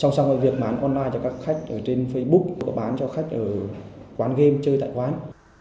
xong xong là việc bán online cho các khách ở trên facebook bán cho khách ở quán game chơi tại quán